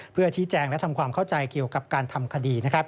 เพื่อชี้แจงและทำความเข้าใจเกี่ยวกับการทำคดี